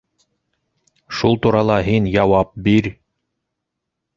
Шул турала һин яуап бир!